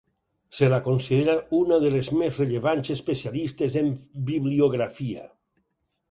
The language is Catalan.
Se la considera una de les més rellevants especialistes en Bibliografia.